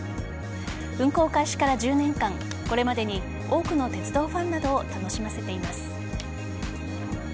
運行開始から１０年間これまでに多くの鉄道ファンなどを楽しませています。